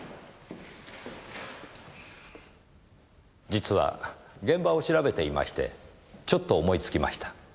実は現場を調べていましてちょっと思いつきました。